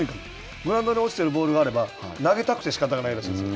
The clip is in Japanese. グラウンドに落ちているボールがあれば投げたくてしかたがないらしいです。